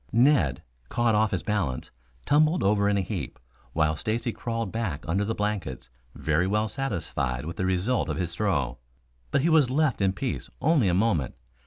Ned, caught off his balance, tumbled over in a heap, while Stacy crawled back under the blankets, very well satisfied with the result of his throw. But he was left in peace only a moment.